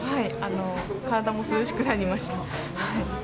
体も涼しくなりました。